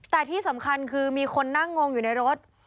แต่ที่สำคัญคือมีคนนั่งงงอยู่ในรถ